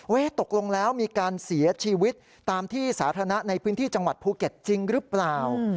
ตกลงแล้วมีการเสียชีวิตตามที่สาธารณะในพื้นที่จังหวัดภูเก็ตจริงหรือเปล่า